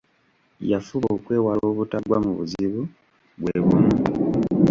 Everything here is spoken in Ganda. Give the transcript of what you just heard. Yafuba okwewala obutagwa mu buzibu bwe bumu.